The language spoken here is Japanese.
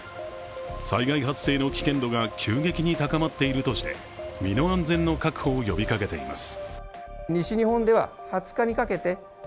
災害発生の危険度が急激に高まっているとして、身の安全の確保を呼びかけています。